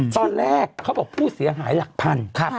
ตอนแรกเขาบอกผู้เสียหายหลักพัน